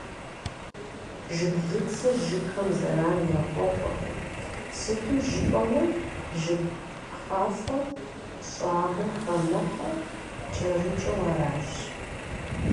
Жыглыцыр жыгхэм зэран яхуэхъуркъым, сыту жыпӏэмэ, жыг пхъафэ щӏагъым хэмыхьэу, кӏэрыкӏэу аращ.